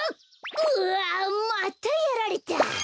うわまたやられた。